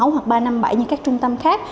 hai bốn sáu hoặc ba năm bảy như các trung tâm khác